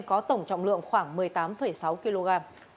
có tổng trọng lượng khoảng một mươi tám sáu kg